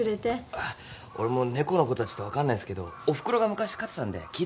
あっ俺も猫のことはちょっと分かんないすけどおふくろが昔飼ってたんで聞いてみますよ。